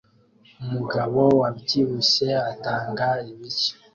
Umugabo wabyibushye atanga ibiryo